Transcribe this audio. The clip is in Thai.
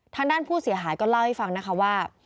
ทางด้านผู้เสียหายก็เล่าให้ฟังนะคะว่า